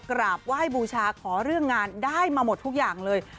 กราบไหว้บูชาขอเรื่องงานได้มาหมดทุกอย่างเลย